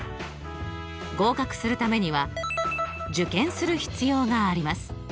合格するためには受験する必要があります。